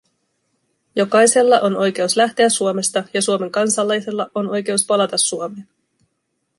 Jokaisella on oikeus lähteä Suomesta ja Suomen kansalaisella on oikeus palata Suomeen.